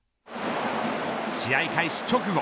試合開始直後